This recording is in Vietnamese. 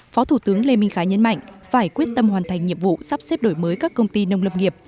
phó thủ tướng lê minh khái nhấn mạnh phải quyết tâm hoàn thành nhiệm vụ sắp xếp đổi mới các công ty nông lâm nghiệp